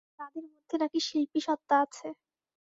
তাঁদের মধ্যে নাকি শিল্পীসত্তা আছে।